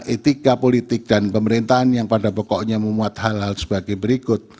etika politik dan pemerintahan yang pada pokoknya memuat hal hal sebagai berikut